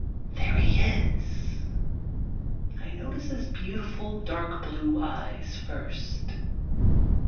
There he is. I notice his beautiful, dark blue eyes first.